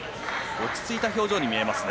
落ち着いた表情に見えますね。